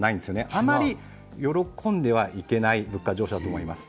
あまり喜んではいけない物価上昇となります。